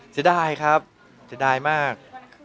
จะได้ครับจะได้มาก